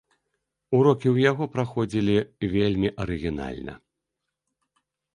Урокі ў яго праходзілі вельмі арыгінальна.